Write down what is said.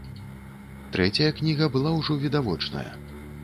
Трэцяя кніга была ўжо відавочная.